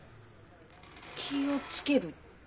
気を付ける？